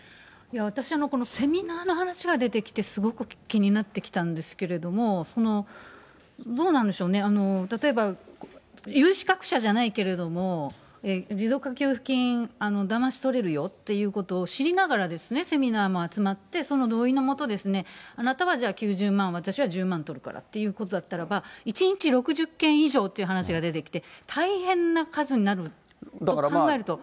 私はこのセミナーの話が出てきてすごく気になってきたんですけれども、どうなんでしょうね、例えば有資格者じゃないけれども、持続化給付金、だまし取れるよということを知りながら、セミナーも集まって、その同意のもと、あなたはじゃあ９０万、私は１０万からということだったら、１日６０件以上っていう話が出てきて、大変な数になると考えると。